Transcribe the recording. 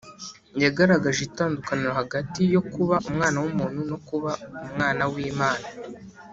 . Yagaragaje itandukaniro hagati yo kuba Umwana w’umuntu no kuba Umwana w’Imana.